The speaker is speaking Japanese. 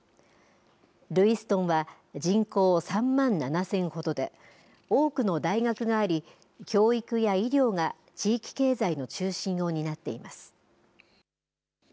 ルイストンは人口３万７０００ほどで多くの大学があり教育や医療が地域経済の中心を担っています。